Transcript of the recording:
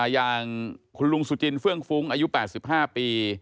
อย่างคุณลุงสุจินเฟื่องฟุ้งอายุ๘๕ปี